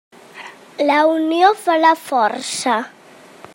La unió fa la força.